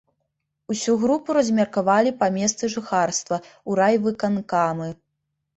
Усю групу размеркавалі па месцы жыхарства ў райвыканкамы.